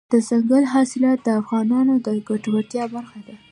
دځنګل حاصلات د افغانانو د ګټورتیا برخه ده.